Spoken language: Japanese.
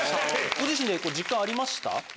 ご自身で実感ありました？